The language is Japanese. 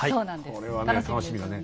これはね楽しみだね。